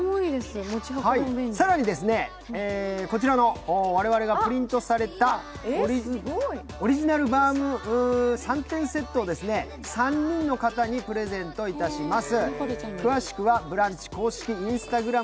更に、こちらの我々がプリントされたオリジナルバーム３点セットを３人の方にプレゼントいたします。